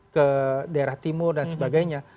ke daerah timur dan sebagainya